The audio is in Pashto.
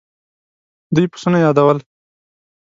دوی پسونه يادول.